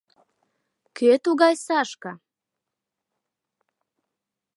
— Кӧ тугай Сашка?